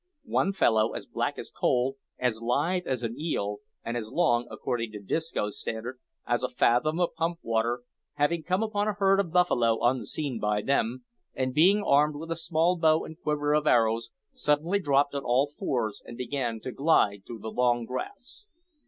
One fellow, as black as a coal, as lithe as an eel, and as long according to Disco's standard as a fathom of pump water, having come upon a herd of buffalo unseen by them, and being armed with a small bow and quiver of arrows, suddenly dropped on all fours and began to glide through the long grass.